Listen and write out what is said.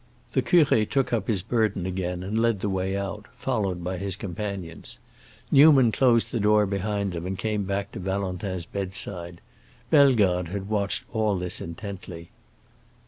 The curé took up his burden again and led the way out, followed by his companions. Newman closed the door behind them and came back to Valentin's bedside. Bellegarde had watched all this intently.